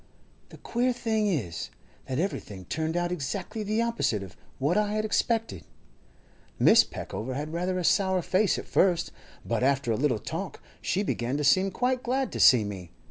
The queer thing is, that everything turned out exactly the opposite of what I had expected. Mrs. Peckover had rather a sour face at first, but after a little talk she began to seem quite glad to see me.